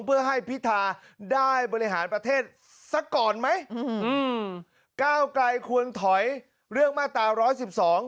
เพื่อให้พิธาได้บริหารประเทศสักก่อนไหมอืมก้าวไกลควรถอยเรื่องมาตราร้อยสิบสอง